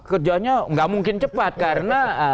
kerjaannya gak mungkin cepat karena